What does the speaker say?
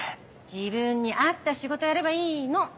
自分に合った仕事やればいいの！